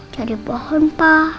jadi pohon pa